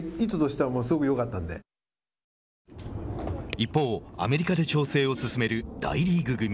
一方、アメリカで調整を進める大リーグ組。